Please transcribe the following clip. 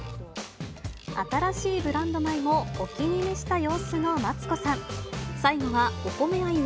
新しいブランド米もお気に召した様子のマツコさん。